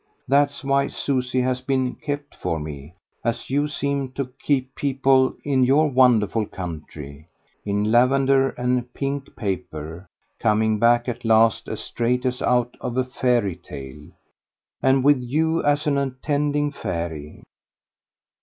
That's why Susie has been kept for me, as you seem to keep people in your wonderful country, in lavender and pink paper coming back at last as straight as out of a fairy tale and with you as an attendant fairy."